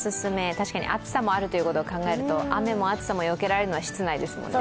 確かに暑さもあるということを考えると雨も暑さもよけられるのは室内ですもんね。